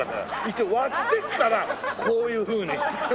一応割ってからこういうふうに。